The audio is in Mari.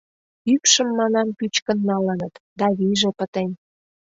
Ӱпшым, манам, пӱчкын налыныт, да вийже пытен.